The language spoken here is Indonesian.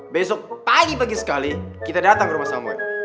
besok pagi pagi sekali kita datang ke rumah sama